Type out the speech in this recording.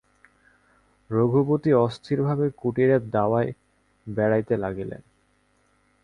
রঘুপতি অস্থিরভাবে কুটিরের দাওয়ায় বেড়াইতে লাগিলেন।